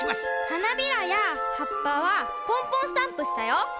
はなびらやはっぱはぽんぽんスタンプしたよ。